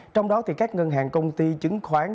trong đó thì các ngân hàng công ty chứng khoán